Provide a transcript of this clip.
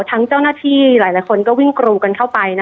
เจ้าหน้าที่หลายคนก็วิ่งกรูกันเข้าไป